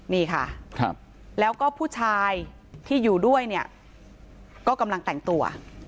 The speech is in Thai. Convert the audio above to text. นี่ค่ะแล้วก็ผู้ชายที่อยู่ด้วยเนี่ยก็กำลังแต่งตัว